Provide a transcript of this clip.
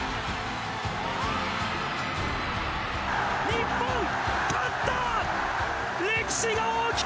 日本、勝った！